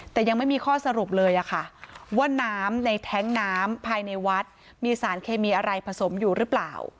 แต่ยังไม่มีข้อสรุปเลยค่ะว่าน้ำในแท้งน้ำภายในวัดมีสารเคมีอะไรผสมอยู่หรือเปล่า